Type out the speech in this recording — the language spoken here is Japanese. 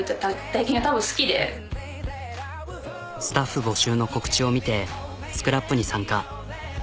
スタッフ募集の告知を見てＳＣＲＡＰに参加。